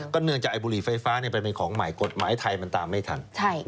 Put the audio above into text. เนื่องจากไอบุหรี่ไฟฟ้ามันเป็นของใหม่กฎหมายไทยมันตามไม่ทัน